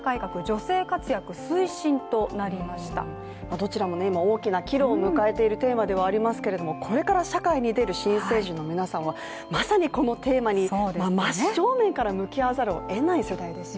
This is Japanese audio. どちらも今、大きな岐路を迎えているテーマでありますけどこれから社会に出る新成人の皆さんはまさにこのテーマに真っ正面から向き合わざるをえないですよね。